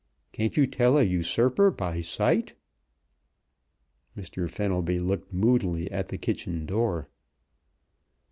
Can't you tell a usurper by sight?" Mr. Fenelby looked moodily at the kitchen door.